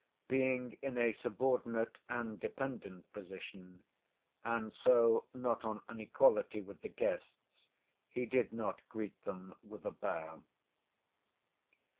Being in a subordinate and dependent position, and so not on an equality with the guests, he did not greet them with a bow.